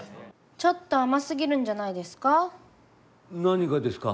ちょっと甘すぎるんじゃないですか？